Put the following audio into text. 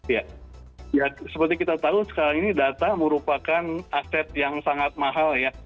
ya seperti kita tahu sekarang ini data merupakan aset yang sangat mahal ya